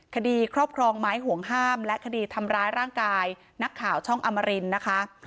ครอบครองไม้ห่วงห้ามและคดีทำร้ายร่างกายนักข่าวช่องอมรินนะคะ